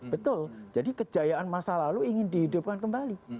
betul jadi kejayaan masa lalu ingin dihidupkan kembali